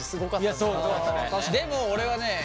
でも俺はね